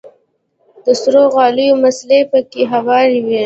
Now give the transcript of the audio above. د سرو غاليو مصلې پکښې هوارې وې.